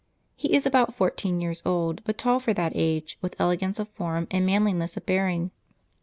He is about four teen years old, but tall for that age, with elegance of form and manliness of bear ing.